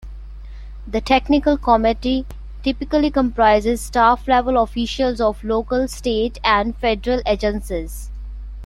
The technical committee typically comprises staff-level officials of local, state, and federal agencies.